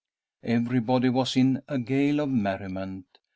Everybody was in a gale of merriment.